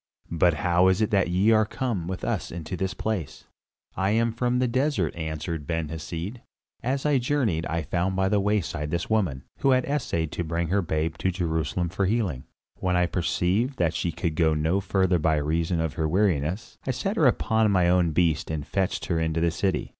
But how is it that ye are come with us into this place?" "I am from the desert," answered Ben Hesed. "As I journeyed I found by the wayside this woman, who had essayed to bring her babe to Jerusalem for healing. When I perceived that she could go no further by reason of her weariness, I set her upon my own beast and fetched her into the city.